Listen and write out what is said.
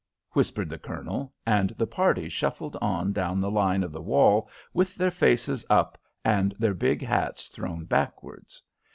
whispered the Colonel, and the party shuffled on down the line of the wall with their faces up and their big hats thrown backwards.